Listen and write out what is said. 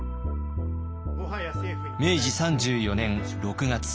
明治３４年６月。